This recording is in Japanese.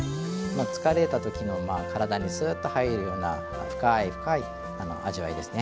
疲れた時の体にすっと入るような深い深い味わいですね。